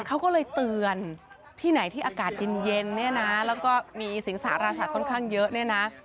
เขาก็เลยเตือนที่ไหนที่อากาศเย็นและมีสิงสาระฉักค่อนข้างเยอะ